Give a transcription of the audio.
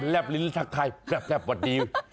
แหลบลิ้นชาติใครแปปสวัสดี